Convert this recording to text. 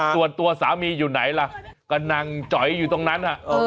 ส่วนตัวสามีอยู่ไหนล่ะก็นั่งจอยอยู่ตรงนั้น